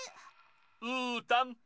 うーたん！